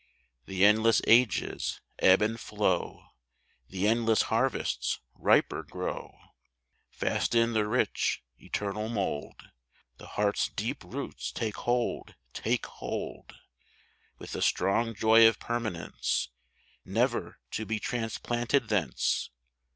The endless ages ebb and flow, The endless harvests riper grow ; Fast in the rich eternal mould The heart s deep roots take hold, take hold With the strong joy of permanence, Never to be transplanted thence.